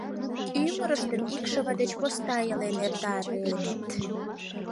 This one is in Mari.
Ӱмырыштым икшыве деч посна илен эртареныт.